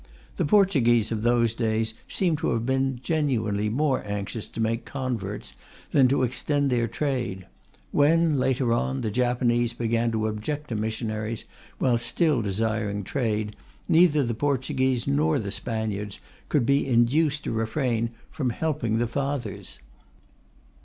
The Portuguese of those days seem to have been genuinely more anxious to make converts than to extend their trade; when, later on, the Japanese began to object to missionaries while still desiring trade, neither the Portuguese nor the Spaniards could be induced to refrain from helping the Fathers.